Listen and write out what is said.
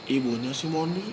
ibunya si moni